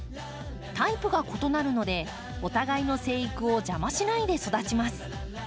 タイプが異なるのでお互いの生育を邪魔しないで育ちます。